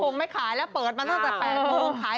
ไม่คงไม่ขายนะเปิดมาตั้งแต่๑๘